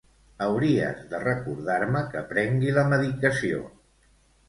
Hauries de recordar-me que prengui la medicació.